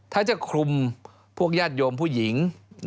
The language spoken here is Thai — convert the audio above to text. ถ้าจะคลุมพวกญาติโยมผู้หญิง